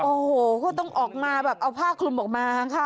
โอ้โหก็ต้องออกมาแบบเอาผ้าคลุมออกมาค่ะ